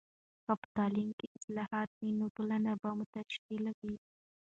که په تعلیم کې اصلاحات وي، نو ټولنه به متشکل وي.